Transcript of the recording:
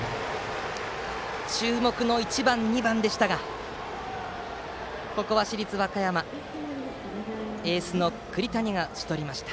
注目の１番、２番でしたがここは市立和歌山のエース栗谷が打ち取りました。